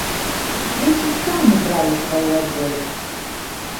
Дзеці самі бралі сваю адзежу.